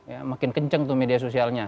ya makin kenceng tuh media sosialnya